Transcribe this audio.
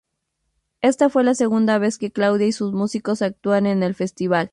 Esta fue la segunda vez que Claudia y sus músicos actúan en el festival.